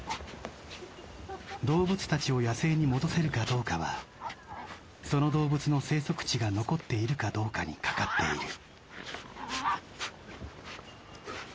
動物たちを野生に戻せるかどうかはその動物の生息地が残っているかどうかにかかっている。